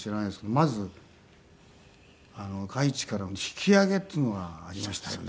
まず外地からの引き揚げっていうのがありましたよね。